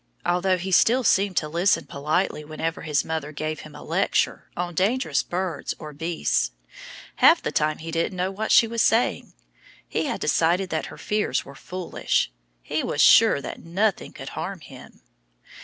Although he still seemed to listen politely whenever his mother gave him a lecture on dangerous birds or beasts, half the time he didn't know what she was saying. He had decided that her fears were foolish. He was sure that nothing could harm him.